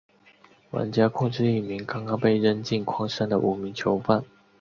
玩家控制一名刚刚被扔进矿山的无名囚犯。